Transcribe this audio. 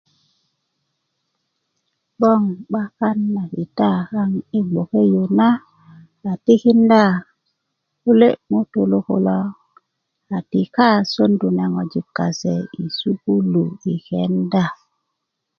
bgoŋ 'bakan na kita kaŋ i bgoke yu na a tikinda kule ŋutu kulo a tika i sondu na ŋojik kase i sukulu i kenda